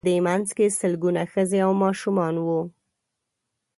په دې منځ کې سلګونه ښځې او ماشومان وو.